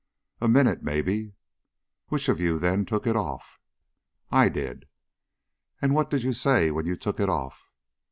"A minute, may be." "Which of you, then, took it off?" "I did." "And what did you say when you took it off?"